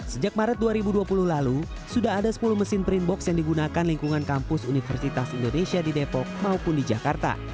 sejak maret dua ribu dua puluh lalu sudah ada sepuluh mesin print box yang digunakan lingkungan kampus universitas indonesia di depok maupun di jakarta